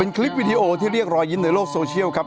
เป็นคลิปวิดีโอที่เรียกรอยยิ้มในโลกโซเชียลครับ